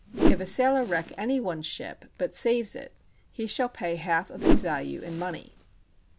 If a sailor wreck any one's ship, but saves it, he shall pay the half of its value in money.